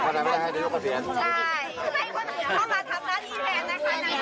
ไม่อยากให้เข้ามาทำงานอีแฮนด์ไม่อยากให้เข้ามาทำงานอีแฮนด์